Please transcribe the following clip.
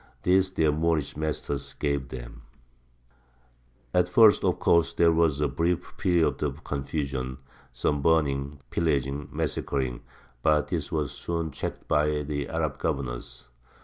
This their Moorish masters gave them. [Illustration: THE SIERRA NEVADA.] At first of course there was a brief period of confusion, some burning, pillaging, massacring; but this was soon checked by the Arab governors.